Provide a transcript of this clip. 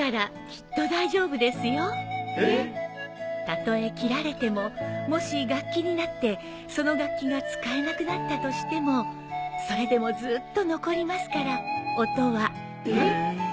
たとえ切られてももし楽器になってその楽器が使えなくなったとしてもそれでもずーっと残りますから音は。えっ？